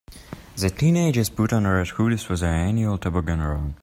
The teenagers put on red hoodies for their annual toboggan run.